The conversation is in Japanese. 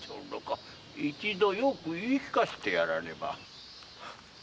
一度よく言い聞かせてやらねば。